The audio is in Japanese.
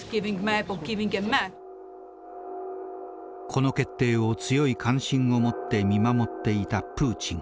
この決定を強い関心を持って見守っていたプーチン。